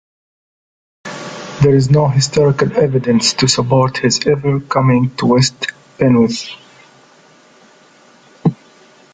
There is no historical evidence to support his ever coming to West Penwith.